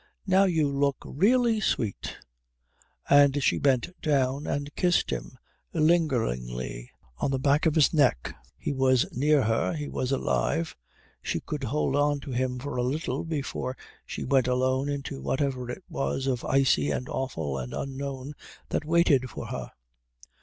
"Now you look really sweet." And she bent and kissed him, lingeringly, on the back of his neck. He was near her, he was alive, she could hold on to him for a little before she went alone into whatever it was of icy and awful and unknown that waited for her.